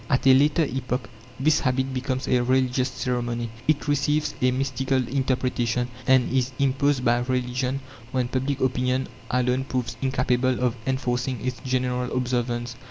At a later epoch this habit becomes a religious ceremony. It receives a mystical interpretation, and is imposed by religion, when public opinion alone proves incapable of enforcing its general observance.